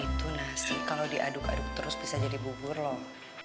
itu nasi kalau diaduk aduk terus bisa jadi bubur loh